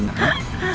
mama tau aja